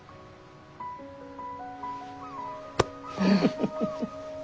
フフフフフ。